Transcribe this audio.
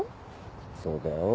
そうだよ。